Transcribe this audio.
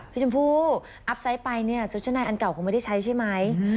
ชมพู่อัพไซต์ไปเนี่ยชุดชะนายอันเก่าคงไม่ได้ใช้ใช่ไหม